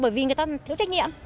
bởi vì người ta thiếu trách nhiệm